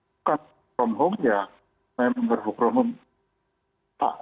bukan dari rumah ya memang dari rumah